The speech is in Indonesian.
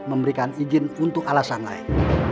memberikan izin untuk alasan lain